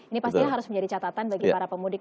ini pastinya harus menjadi catatan bagi para pemudik